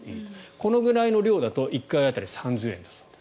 このぐらいの量だと１回当たり３０円だそうです。